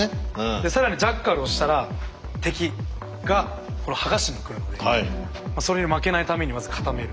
更にジャッカルをしたら敵が剥がしにくるのでそれに負けないためにまず固める。